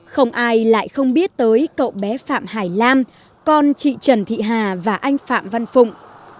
không ai lại không biết tới cậu bé phạm hải lam con chị trần thị hà và anh phạm văn phụng